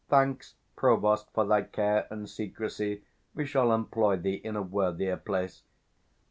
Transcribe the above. Thanks, provost, for thy care and secrecy: We shall employ thee in a worthier place.